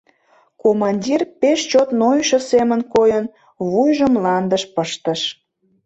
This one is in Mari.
Командир, пеш чот нойышо семын койын, вуйжым мландыш пыштыш.